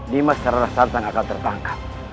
nimasarara santang akan tertangkap